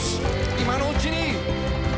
今のうちに」